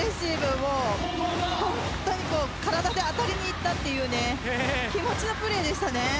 体で当たりにいったという気持ちのプレーですね。